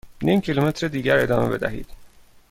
نیم کیلومتر دیگر ادامه بدهید.